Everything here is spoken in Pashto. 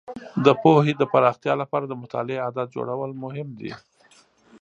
د پوهې د پراختیا لپاره د مطالعې عادت جوړول مهم دي.